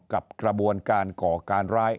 กับกระบวนการก่อการร้าย